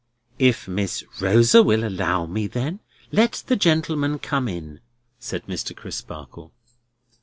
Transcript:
"If Miss Rosa will allow me, then? Let the gentleman come in," said Mr. Crisparkle.